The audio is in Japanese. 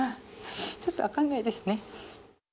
ちょっと分からないですね。